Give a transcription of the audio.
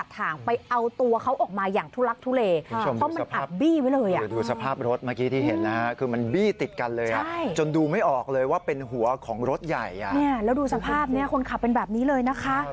หัวของรถใหญ่เนี่ยแล้วดูสภาพเนี่ยคนขับเป็นแบบนี้เลยนะคะ